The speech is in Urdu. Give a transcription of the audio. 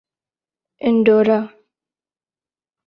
انڈورا